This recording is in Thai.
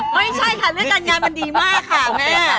ไม่ใช่ค่ะเรื่องการงานมันดีมากค่ะแม่